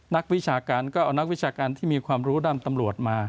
วิชาการก็เอานักวิชาการที่มีความรู้ด้านตำรวจมา